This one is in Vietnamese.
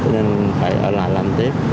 nên phải ở lại làm tiếp